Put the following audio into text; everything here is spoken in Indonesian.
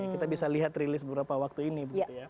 kita bisa lihat rilis beberapa waktu ini